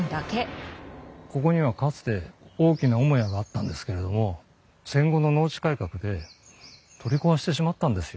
ここにはかつて大きな主屋があったんですけれども戦後の農地改革で取り壊してしまったんですよ。